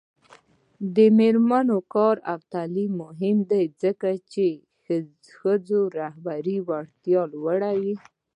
د میرمنو کار او تعلیم مهم دی ځکه چې ښځو رهبري وړتیا لوړوي.